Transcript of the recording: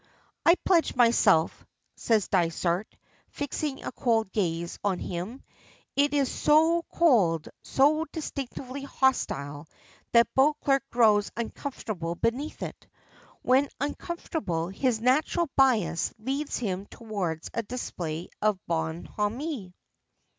"I pledge myself," says Dysart, fixing a cold gaze on him. It is so cold, so distinctly hostile, that Beauclerk grows uncomfortable beneath it. When uncomfortable his natural bias leads him towards a display of bonhomie.